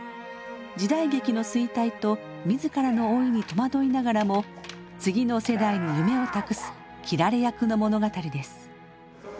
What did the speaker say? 時代劇の衰退と自らの老いに戸惑いながらも次の世代に夢を託す斬られ役の物語です。